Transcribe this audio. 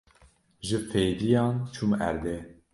Ji fêdiyan çûm erdê.